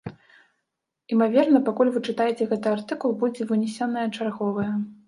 Імаверна, пакуль вы чытаеце гэты артыкул, будзе вынесенае чарговае.